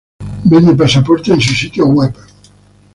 Vende pasaportes en su sitio web.